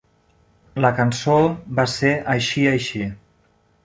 La cançó va ser així així.